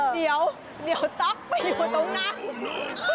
เดี๋ยวต๊อกไปอยู่ตรงนั้น